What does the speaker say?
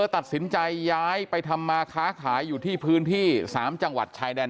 ตัดสินใจย้ายไปทำมาค้าขายอยู่ที่พื้นที่๓จังหวัดชายแดน